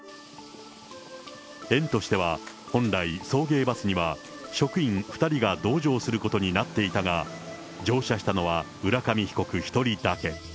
園としては本来、送迎バスには職員２人が同乗することになっていたが、乗車したのは浦上被告１人だけ。